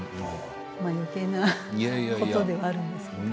まあよけいなことではあるんですけれど。